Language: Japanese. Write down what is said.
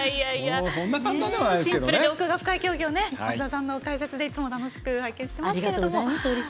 シンプルで奥が深い競技を増田さんの解説で楽しく拝見してますけれども。